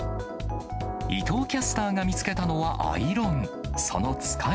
伊藤キャスターが見つけたのはアイロン。